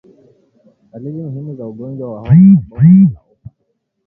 Dalili muhimu za ugonjwa wa homa ya bonde la ufa